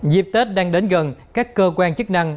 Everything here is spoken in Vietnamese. dịp tết đang đến gần các cơ quan chức năng